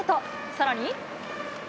さらに。